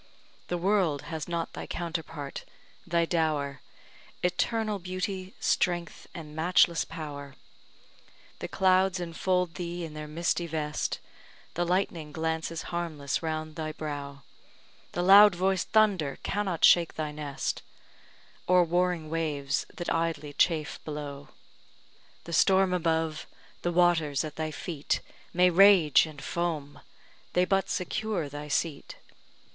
The world has not thy counterpart thy dower, Eternal beauty, strength, and matchless power. The clouds enfold thee in their misty vest, The lightning glances harmless round thy brow; The loud voiced thunder cannot shake thy nest, Or warring waves that idly chafe below; The storm above, the waters at thy feet May rage and foam, they but secure thy seat.